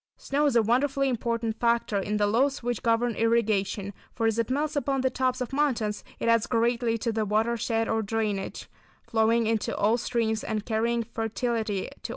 Snow is a wonderfully important factor in the laws which govern irrigation, for as it melts upon the tops of mountains it adds greatly to the watershed or drainage, flowing into all streams and carrying fertility to all regions.